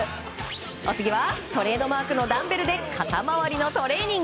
お次はトレードマークのダンベルで肩回りのトレーニング。